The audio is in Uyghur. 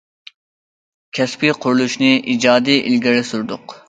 كەسپىي قۇرۇلۇشنى ئىجادىي ئىلگىرى سۈردۇق.